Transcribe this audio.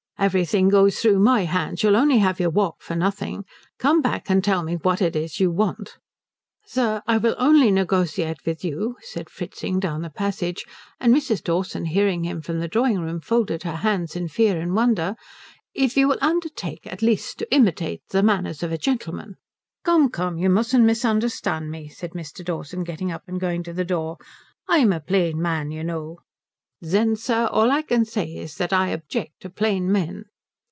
"Everything goes through my hands. You'll only have your walk for nothing. Come back and tell me what it is you want." "Sir, I will only negotiate with you," said Fritzing down the passage and Mrs. Dawson hearing him from the drawing room folded her hands in fear and wonder "if you will undertake at least to imitate the manners of a gentleman." "Come, come, you musn't misunderstand me," said Mr. Dawson getting up and going to the door. "I'm a plain man, you know " "Then, sir, all I can say is that I object to plain men."